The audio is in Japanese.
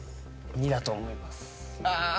２だと思いますわあ